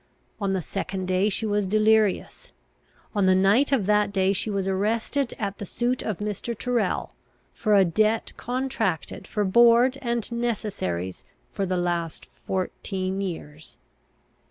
On the second day she was delirious. On the night of that day she was arrested at the suit of Mr. Tyrrel, for a debt contracted for board and necessaries for the last fourteen years.